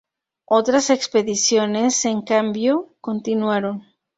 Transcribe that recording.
Otras expediciones, en cambio, continuaron.